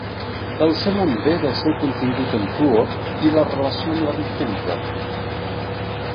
El seu nom ve del seu contingut en fluor i la relació amb la richterita.